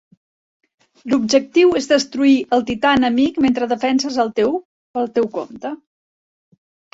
L'objectiu és destruir el tità enemic mentre defenses el teu, pel teu compte.